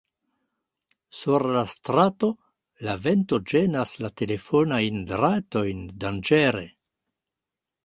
Sur la strato, la vento ĝenas la telefonajn dratojn danĝere.